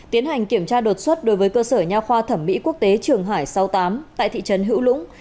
tiến hành kiểm tra đột xuất đối với cơ sở nhà khoa thẩm mỹ quốc tế trường hải sáu mươi tám tại thị trấn hữu lũng